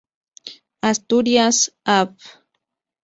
Asturias, Av.